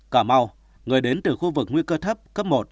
cà mau người đến từ khu vực nguy cơ thấp cấp một